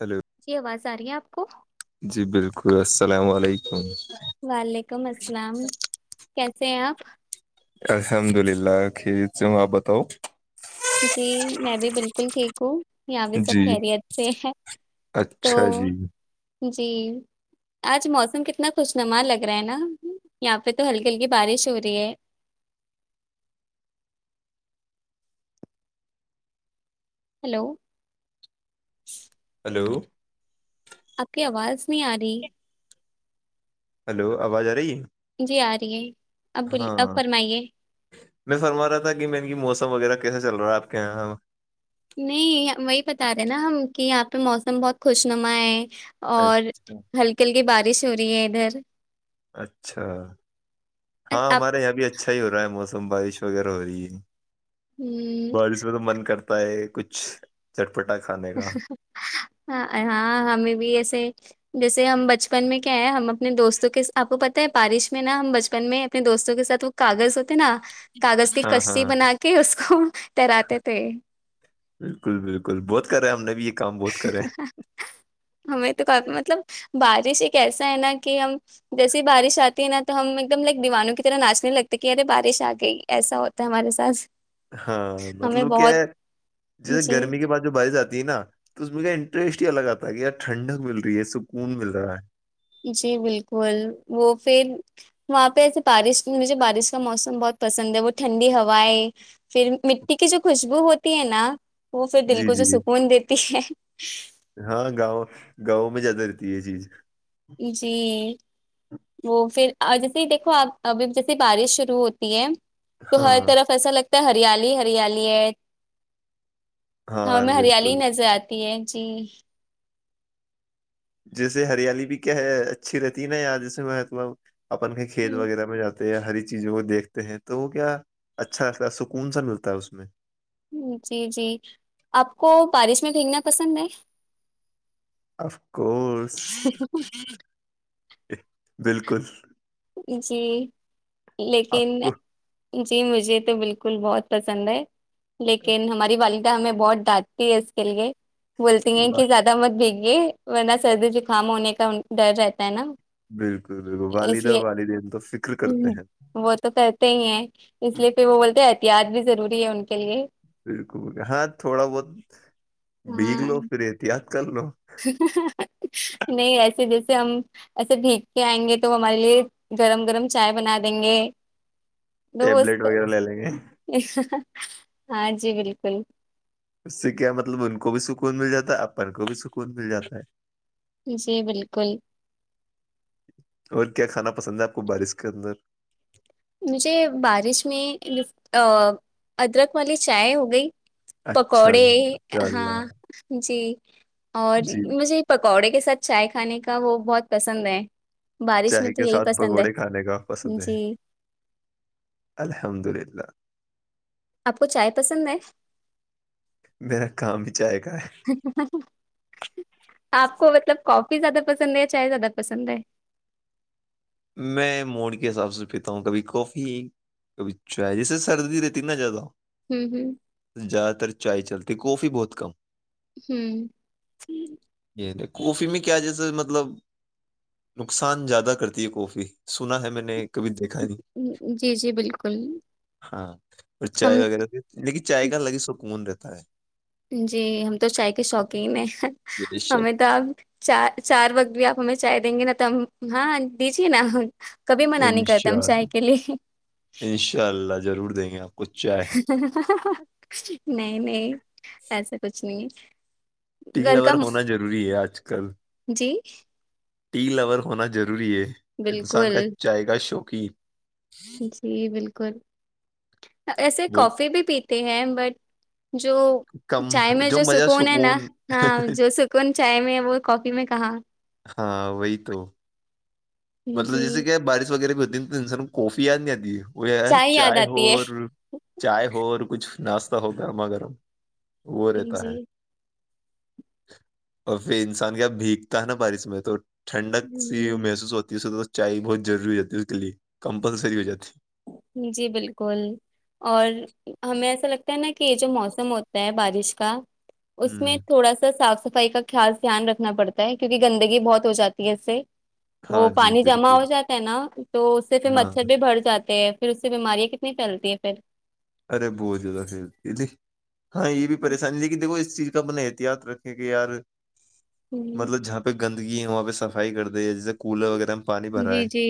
hello جی آواز آ رہی ہے آپ کو جی بالکل السلام علیکم وعلیکم السلام سے ہیں آپ الحمد للہ کوں آپ بتاؤ جی میں بھی بالکل ٹھیک ہوں یہاں بھی سب جی خیریت سے ہیں اچھا تو جی جی آج موسم کتنا خوش نما لگ رہا ہے نا یہاں پہ تو ہلکی ہلکی بارش ہو رہی ہے [unintelligible] ہیلو ہیلو آپ کی آواز نہیں آ رہی ہلو آواز آ رہی ہے جی آ رہی ہے ابولی اب ہاں فرمائیے میں فرما رہا تھا کہ میں کہ موسم وغیرہ کیسے چل رہا ہے آپ کے یہاں نہیں وہی بتا رہے نا ہم کہ یہاں پہ موسم بہت خوش نما ہے اور اچھا ہلکی ہلکی بارش چوری ہے ادھر اچھا اچ- ہاں آپ ہمارے یہاں بھی اچھا ہی ہو رہا ہے موسم تم بارش وغیرہ ہو رہی ہے ہ بارش میں تو من کرتا ہے کچھ چٹ ہاں ہمیں بھی ایسے جیسے ہم بچپن میں کیا ہے ہم اپنے دوستوں کے آپ کو پتہ ہے بارش میں نا ہم بچپن میں اپنے دوستوں کے ساتھ وہ کاغذ تھ نا کاغذ کی ہاں کشی ہاں بنا کے اس کو تراتے تھے بالکل بالکل بہت کرے ہم نے بھی یہ کام بہت کرے ہمیں تو مطلب بارش ہی کیسا ہے نا کہ ہم جیسے بارش آتی ہے نا تو ہم ایک دم لائک دیوانوں کی طرح ناچنے لگتے کہ ارے بارش آ گئی ایسا ہوتا ہے ہمارے ساتھ ہاں ہمیں مطلب کیا ہے بہت جیسے جی گرمی کے بعد جو بارش جاتی تی نا تو اس م انٹرسٹ ہی الگ آتا کہ یار ٹھنڈک مل رہی ہے سکون مل رہا ہے جی بالکل وہ پھر وہاں پہ ایسے بارش مجھے بارش کا موسم بہت پسند ہے وہ ٹھنڈی ہویں پھر مٹی کی جو خوشبو ہوتی ہے نا وہ پھر دل جی کو جو جی سکون دیتی ہے ہاں گاؤں گاؤں میں زیادہ رہتا یہ چیز جی وہ پھر جیسے دیکھو آپ ابھی جیسے بارش شروع ہوتی ہے تو ہاں طراف ایسا لگتا ت ہریالی ہریالی ہے ہاں میں ہریالی ہی نظرت تینچی جیسے ہریالی بھی کیا ہے اچھی رہتی ہے نا یا جیسے میں مطلب اپن ک خل ہوں، وغیرہ میں جات ہری چیزوں کو دیکھتے ہیں تو وہ کیا اچھا لگتا ہے سکون سا ملتا ہے اس میں جی جی آپ کو بارش میں بھیھینگنا پسند ہے اف کورس بالکل جی آپ لیکن کو جی مجھے تو بالکل بہت پسند ہے لیکن ہماری والدہ ہمیں بہت بہت بات کی اس کے لے بولتی ہیں واہ، کہ زیادہ مت بھیگ ورنہ سردی زکام ہونے کا ڈر رہتا ہے نا بالکل بالکل اس والید لیے والدین تو فکر کرتے ہیں وہ تو کرتے ہیں اس لیے پھر وہ بولتے تیاج بھی ضروری ہے ان کے لیے بالکل ہاں تھوڑا بہت بھیگ ہاں لو پ رہتی آپ نہیں ایسے جیسے ہم ایسے بھیگ کے آئیں گے تو وہ ہمارے لیے گرم گرم چائے بنا دیں گے ٹیبلٹ دوست وغیرہ لے ل گ ہاں جی بالکل اس سے کیا مطلب ان کو بھی سکون مل جاتا ہے اپن کو بھی سکون مل جاتا ہے جی بالکل اور کیا کھانا پسند ہے آپ کو بارش کے اندر مجھے بارش میں ادرک والی چائے ہو گئی اچھا پکوڑے جی ماشاء اللہ ہاں جی اور جی مجھے پکوڑے [inaudible] کے ساتھ چائے کھانے کا وہ بہت پسند ہے بارش میں چائے تو کے یہی ساتھ پسند ہے پکوڑے کھانے کا پسند ہے جی الحمد للہ آپ کو چائے پسند ہے میرا کام ہی چائے کا ہے آپ کو مطلب کافی زیادہ پسند ہےیا چائے زیادہ پسند ہے میں موڑ کے حساب سے پیتا ہوں کبھی کافی کبھی چائے جیسے سردی رہتی نا زیادہ ہوں ہوں زیادہ تر چائے چلتی کافی بہت کم ہوں کوفی میں کیا جیسے مطلب نقصان زیادہ کرتے کوفی سنا ہے میں نے کبھی دیکھا نہیں جی جی بالکل ہاں اور چائے ہم وغیرہ لیکن چائے کا الگ ہی سکون رہتا ت [unintelligible] جی ہم تو چائے کے شوقین ہیں بے شک ہمیں تو آپ چار چار وقت بھی آپ ہمیں چائے دیں گے نا ت ہاں دیجے نا کبھی منع نہیں کرتے ہم انشاء چائے اللہ کے لیے انشاء اللہ ضرور دیں گے آپ کو چائے ہا ہا نہیں نہیں ایسا کچھ نہیں ہے [inaudible] ٹگ گھر کا لور م- ہونا ضروری ہے آج کل جی ٹی لور ہونا ضروری [unintelligible] ضروری ہے انسان کا چائے گ شوق اکی ج جی بالکل کول ایسے وہ کافی بھی پیتی ہیں بٹ جو چائے میں جو سکون ہے نا ہاں جو سکون چائے میں وہ کافی میں کہاں ہاں وہی تو مطلب جی جیسے کہ بارش وغیرہ بھی تن سر کوفی آ نہیں دیتی ہے وہ یاد چائے ہو آتی چائے ہوور کچھ ناشتہ ہو گرما گرم وہ رہتا ہے اور پھر انسان کیا بھیگتا ہے نا بارش میں تو ٹھنڈک سی ہ محسوس ہوتی چائے بہت روری ہو جاتی ہے اس کے لیے کمپلسری ہو جاتی ہے جی بالکل اور ہمیں ایسا لگتا ت کہ یہ جو موسم ہوتا ہے بارش کا [inaudible] اس میں ہوں تھوڑا سا صاف سف صفائی کا خاص دھیان رکھنا پڑتا ہے کیونکہ گندگی بہت ہو جاتی ہے اس سے وہ ہاں جی پانی جمع بالکل ہو جاتا ہے نا تو اس سے پھر ہاں مچھر بھی بھر جاتا پھر اس سے بیماریاں کتنی پھیلتی ہے پھر ارے بہت جدا سی ہاں یہ بھی پریشانی لیک کہن دیکو اس چیز کا اپنا احتیاط رکھیں کہ یار ہوں مطلب جہاں پہ [inaudible] گندگی وہاں پہ صفائی کر دی ہے جیسے کولر وغیرہ پانی بھرا جی ہے جی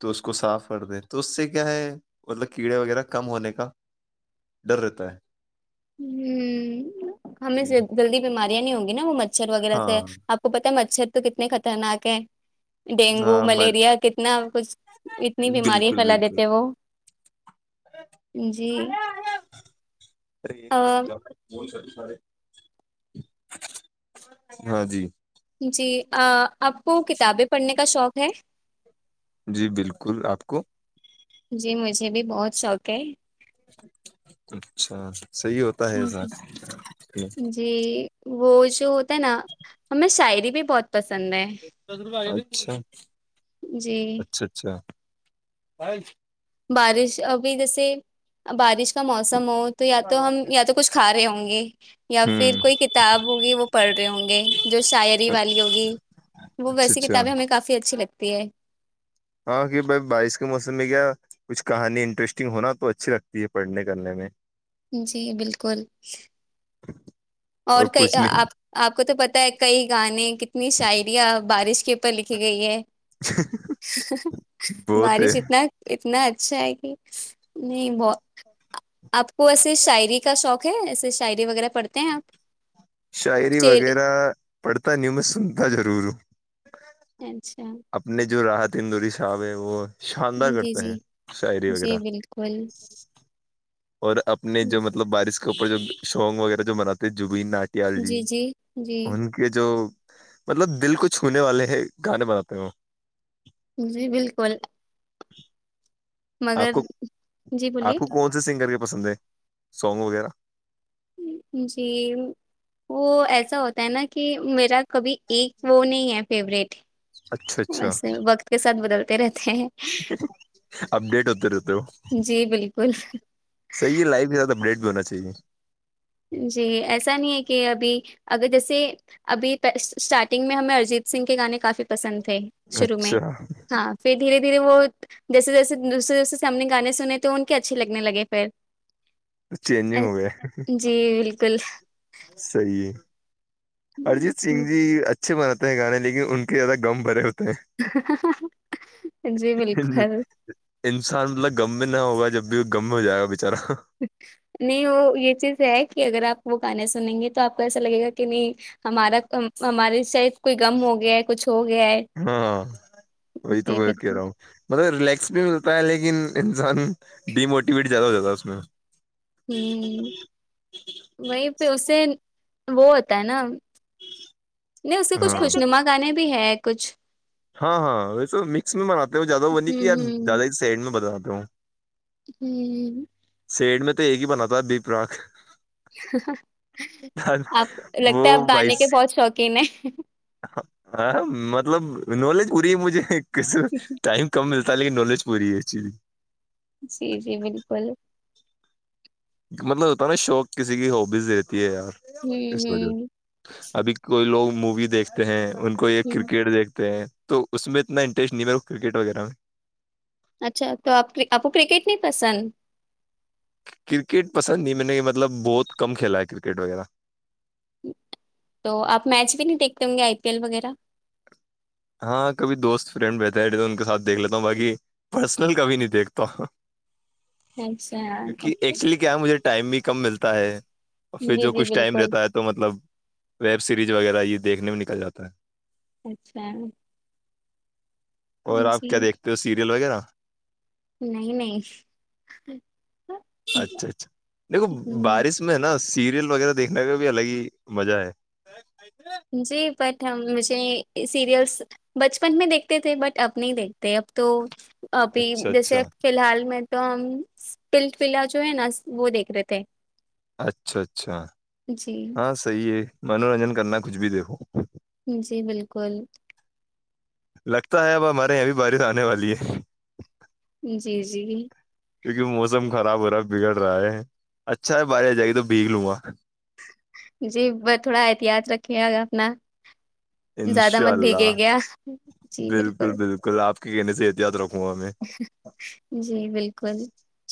تو اس کو اس کو صاف کر دیں تو اس سے کیا ہے مطلب کیڑے وغیرہ کم ہونے کا ڈر رہتا ہے ہ ہمیں سے یہ- جلدی بھی مار نہیں ہو گ نہ وہر مچھر وغیرہ سے ہاں آپ کو پ م اچر تو کتنے خطرناک ہیں [inaudible] ڈینگو ہاں میں- ملیریا کتنا کچھ اتنی بیماری بالکل پھیلا بالکل دیتے وہ جی ارے ایک آ منٹ بلا بول سک ہاں جی [inaudible] جی آپ کو کتابیں پڑھنے کا شوق ہے جی بالکل آپ کو جی مجھے بھی بہت شوق ہے اچھا [unintelligible] ہے ایسا جی وہ [unintelligible] جو ہوتا ہے نا ہمیں شاعری بھی بہت پسند ہے اچھا جی اچھا اچھا س [unintelligible] بارش ابھی جیسے بارش کا موسم ہو تو یا تو ہوں ہم یا تو کچھ کھا رہے ہوں گے ایک [unintelligible] یا پھر کوئی کتاب ہوگی وہ پڑھ رہے ہوں گے جو شاعری والی ہوگی وہ اچھا ویسی اچھا کتابیں ہمیں کافی اچھی لگتی ت ہے ہاں کہ بھائی بارش کے موسم میں کیا کچھ کہانی انٹرسٹنگ ہونا تو اچھی لگتی ہے پڑھنے کرنے میں جی بالکل اور کئی کچھ آپ نہیں آپ کو تو پتا ہے کئی گانے کتنی شاعرییاں بارش [inaudible] کے پر لکھی گئی ہے [unintelligible] بہت ہے بارش اتنا اتنا اچھا ہے کہ نہیں ب آپ کو ایسے شاعری کا شوق [inaudible] ایسے شاعری وغیرہ پڑتے ہیں آپ شاعری شعر وغیرہ پڑھتا نہیںیوں میں سنتا ضرور ہوں اچھا اپنے جو راحت تندور صاب ہے وہ شاندار جی جی کرتے ہیں شاعری جی وغیرہ بالکل اور اپنے جو مطلب بارش کا اس کے اور جو شونگ وغیرہ جو منات ہیں ج وین ناٹیال جی ان کے جو مطلب دل کو چھونے والے ہیں گانے بناتے ہوں جی بالکل [inaudible] آپ مگر کو جی آپ بولیے کو کون سے سنگر کے پسند ہے سونگ وغیرہ جی وہ ایسا ہوتا ہے نا کہ میرا کبھی ایک وہ نہیں ہے فیوریٹ اچھا وسے وقت کے ساتھ بدل ط رہتیں ہیں [inaudible] اپ ڈیٹ ہوتی رہ تو جی بالکل سی ہے لائفٹ ہونا چاہیے جی ایسا نہیں ہے کہ ابھی اگر جیسے ابھی اسٹارٹنگ میں ہمیں ارجیت سنگھ کے گانے کافی پسند تھے شروع میں اچھا ہاں پھر دھیرے درے دھیرے وہ جیسے جیسے دوسرے دوسرے سامنے گانے سنے تو ان کے اچھے لگنے لگے پھر چینجنگ ہو گیا جی بالکل صی ہے ارجیت سنگھ جی اچھا اچھے بناتے ہیں گانے لیکن ان کے زیادہ گم بھرے ہوتے جی بالکل انسان مطلب گغم میں نہ ہوگا جب اب گم ہو جائے گا بےچارا نہیں وہ یہ چیز ہے کہ اگر آپ وہ گانے سنیں گے تو آپ کو ایسا لگے گا کہ نہیں ہمارا ہماراری شاید کوئی غم ہو گیا ہے کچھ ہو گیا ہے ہاں وہی تو جی میں کہہ بالکل رہا ہوں مطلب ریلیکس بھی ملتا ہے لیکن لیکن انسان ڈیموٹیویٹ زیادہ ہو جاتا ہے اس میں ہوں وہی پ اسے وہ ہوتا ہے نا نہیں اس سے کچھ ہاں خوش ویسے نما گانے بھی ہے کچھ ہاں ہاں ویسے مکس میں بناتے ہیں زیادہ بنی ہ کی یا زیادہ ہی سائڈ میں بناتے تو ہوں پیڑ میں تو ایک ہی بناات تھا بی پ رااک [unintelligible] آپ وہ لگتا ہے آپ گانے کے بہت شوقین ہیں ج [unintelligible] ہ مطلب نالج ہو رہی ہے مجھے ک ٹائم کم ملتا تل کہ نج پوری جئیی جی جی بالکل مطلب ہوتا ہے نا شوق کسی کی ہبیز دیتی ہے یار ہ اسس و ہ ابھی کوئی لوگ مووی دیکھتے ہیں ان کو ایک ہ کرکٹ دیکھتے ہیں تو اس میں اتنا انٹرسٹ نہیں م کرکٹ وغیرہ میں [unintelligible] اچھا تو آپ آپ کو کرکٹ نہیں پسند کرکٹ پسند نہیں میں نے مطلب بہت کم کھیلا ہے کرکٹ وغیرہ تو آپ میچ بھی نہیں دیکھتے ہوں گے آئی پی ایل وغیرہ ہاں کبھی دوست فرینڈ بتے ہیں تو ان کے ساتھ دیکھ لیتا ہوں باقی پرسنل کبھی نہیں دیکھتا اچھا کیونکہ اوکے، ایکچولی کیا ہے مجھے ٹائم بھی کم ملتا ہے اور پھر جی جو جی کچھ ٹائم بالکل رہتا ہے تو مطلب ویب سری بج وغیرہ یہ دیکنے میں نکل جاتا ہے اچھا اور آپ جی کیا دیکھتے ہو سیریل وغیرہ نہیں نہیں اچھا اچھا دیکھو بارش میں ہے نا سیریل وغیرہ دیکھنے کا بھی الگ ہی مزہ ہے جی بٹ ہم مجھے سیریلس بچپن میں دیکھتے تھے بٹ اب نہیں دیکھتے اب تو [inaudible] ابھی اچھا جیسے اچھا فی الحال میں تو ہم پلٹ پلا جو ہے نا وہ دیکھ رہے تھے [unintelligible] اچھا اچھا جی ہاں صحی ہے منورنجن کرنا کچھ بھی دیکھو جی بالکل [inaudible] لگتا ہے اب ہمارے یہاں بھی بارش آنے والی ہے جی جی کیونکہ موسم خراب ہو رہا ہے بگڑ رہا ہے اچھا ہے بارش آ جائے گی تو بھیگ لوں گا جی بس تھوڑا احتیاط رکھیے گا اپنا زیادہ انشاء مت بھیگے اللہ گیا جی بالکل کہنے سے اتیاد رکھو جی بالکل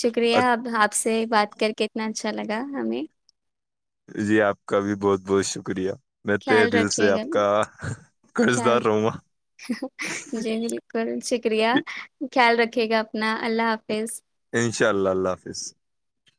شکریہ اب آپ سے بات کر کےتنا اچھا لگا ہمیں جی آپ کا بھی بہت بہت شکریہ [unintelligible] خیال دل رکے سے گا آپ کا قرض خیال دار رہوں گا جی بالکل شکریہ خیال رکھ ٹھیک ہے اپنا اللہ حافظ انشاء اللہ اللہ حافظ [inaudible] [inaudible]